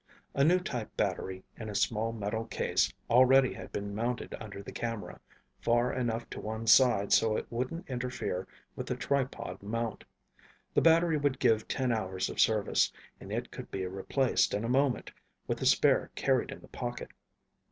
A new type battery in a small metal case already had been mounted under the camera, far enough to one side so it wouldn't interfere with the tripod mount. The battery would give ten hours of service, and it could be replaced in a moment with a spare carried in the pocket.